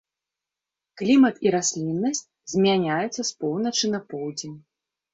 Клімат і расліннасць змяняюцца з поўначы на поўдзень.